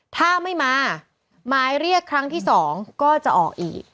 ถ้าไม่มาหมายเรียกครั้งที่๒ก็จะออกอีก